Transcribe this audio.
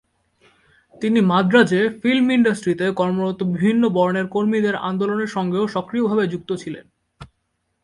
তিনি মাদ্রাজে ফিল্ম ইন্ডাস্ট্রিতে কর্মরত বিভিন্ন বর্ণের কর্মীদের আন্দোলনের সঙ্গেও সক্রিয়ভাবে যুক্ত ছিলেন।